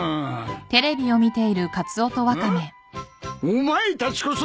お前たちこそ何だ！